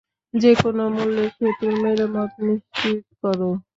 যেকোনো মূল্যে সেতুর মেরামত নিশ্চিত কর।